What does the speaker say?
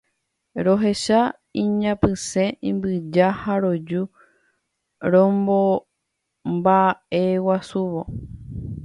Rohecha iñapysẽ imbyja ha roju romombaʼeguasúvo.